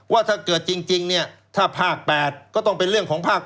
ว่าถ้าเกิดจริงเนี่ยถ้าภาค๘ก็ต้องเป็นเรื่องของภาค๘